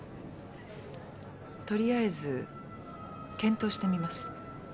とりあえず検討してみます。